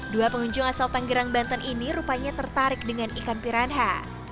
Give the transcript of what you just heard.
dua pengunjung asal tanggerang banten ini rupanya tertarik dengan ikan piranha